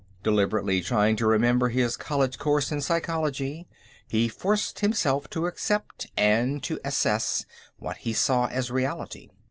Deliberately, trying to remember his college courses in psychology, he forced himself to accept, and to assess, what he saw as reality.